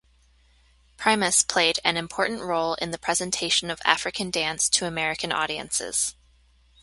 Primus played an important role in the presentation of African dance to American audiences.